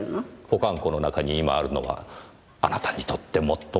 保管庫の中に今あるのはあなたにとって最も招かれざる客。